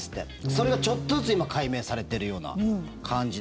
それがちょっとずつ今、解明されているような感じ。